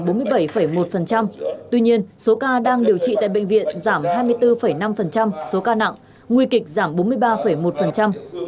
so với tháng trước số ca đang điều trị tại bệnh viện giảm hai mươi bốn năm số ca nặng nguy kịch giảm bốn mươi ba một